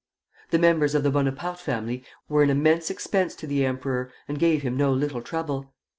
The members of the Bonaparte family were an immense expense to the emperor, and gave him no little trouble.